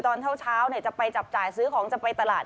ตอนเช้าจะไปจับจ่ายซื้อของจะไปตลาด